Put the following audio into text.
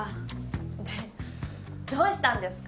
ってどうしたんですか？